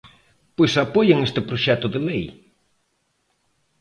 Pois apoien este proxecto de lei.